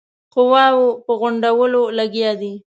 قواوو په غونډولو لګیا دی.